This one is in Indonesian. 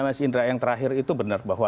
mas indra yang terakhir itu benar bahwa